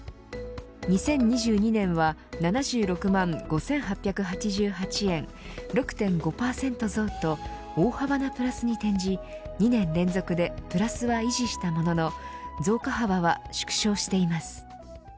２０２２年は７６万５８８８円６．５％増と大幅なプラスに転じ２年連続でプラスは維持したものの増加幅は縮小しています。